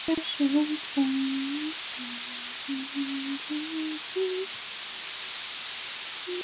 中华尾孢虫为尾孢科尾孢虫属的动物。